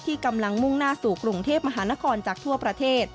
กำลังมุ่งหน้าสู่กรุงเทพมหานครจากทั่วประเทศ